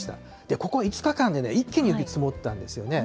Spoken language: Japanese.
ここ５日間で一気に雪積もったんですよね。